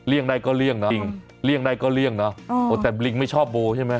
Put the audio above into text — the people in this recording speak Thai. เอาลิงเลี่ยงได้ก็เลี่ยงนะแต่ลิงไม่ชอบโบใช่ไหม